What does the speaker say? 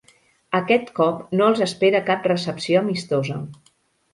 Aquest cop no els espera cap recepció amistosa.